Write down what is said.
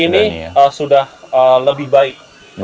ini sudah lebih baik